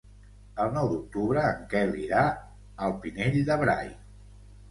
El nou d'octubre en Quel irà al Pinell de Brai.